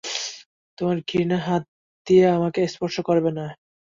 তোমার ঘৃণ্য হাত দিয়ে আমাকে স্পর্শ করবে না।